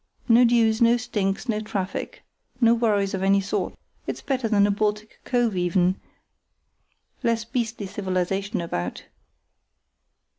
No dues, no stinks, no traffic, no worries of any sort. It's better than a Baltic cove even, less beastly civilization about.